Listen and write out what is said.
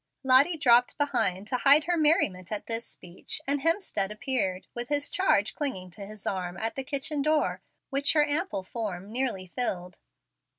Lottie dropped behind to hide her merriment at this speech, and Hemstead appeared, with his charge clinging to his arm, at the kitchen door, which her ample form nearly filled.